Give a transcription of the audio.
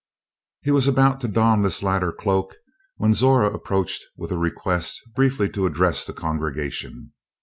He was about to don this latter cloak when Zora approached with a request briefly to address the congregation.